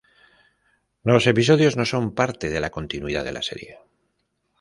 Los episodios no son parte de la continuidad de la serie.